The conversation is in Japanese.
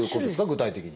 具体的に。